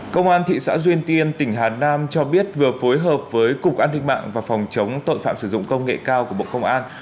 công an thị xã duyên tiên tỉnh hà nam cho biết vừa phối hợp với cục an ninh mạng và phòng chống tội phạm sử dụng công nghệ cao của bộ công an